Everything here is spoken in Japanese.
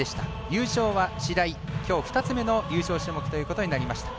優勝は白井、きょう２つ目の優勝種目となりました。